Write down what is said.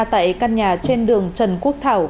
tại căn nhà trên đường trần quốc thảo